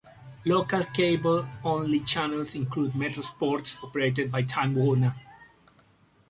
Local cable-only channels include Metro Sports, operated by Time Warner.